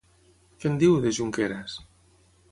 Què en diu, de Junqueras?